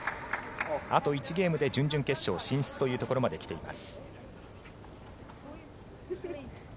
あと１ゲームで準々決勝進出というところまで来ています。